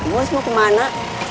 bos mau ke mana